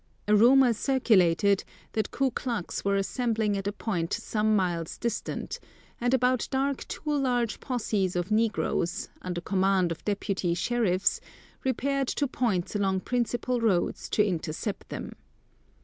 A rumor circulated that Ku Klux were assembling at a point some miles distant, and about dark two large posses of negroes, under command of deputy sheriffs, repaired to points along principal roads to intercept them.